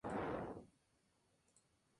Su gobierno ha sido criticado por la prensa.